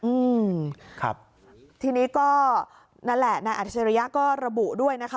อืมครับทีนี้ก็นั่นแหละนายอัจฉริยะก็ระบุด้วยนะคะ